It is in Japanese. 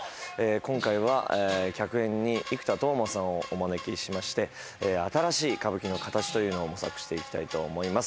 今回は客演に生田斗真さんをお招きしまして、新しい歌舞伎の形というのを模索していきたいと思います。